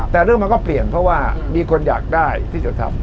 แต่เรื่องมันก็เปลี่ยนเพราะว่ามีคนอยากได้ที่จะทำ